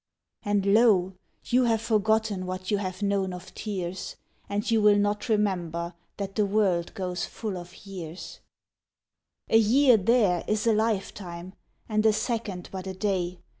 And lo ! you have forgotten What you have known of tears, And you will not remember That the world goes full of years ; A year there is a lifetime, And a second but a day.